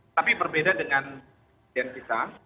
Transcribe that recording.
tapi berbeda dengan presiden kita